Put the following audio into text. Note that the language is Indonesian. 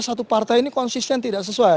satu partai ini konsisten tidak sesuai